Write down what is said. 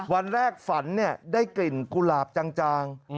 วันแรกฝันได้กลิ่นกุหลาบจาง